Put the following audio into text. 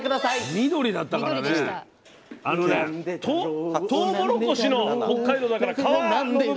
緑だったからねあのねトウモロコシの北海道だから皮の部分。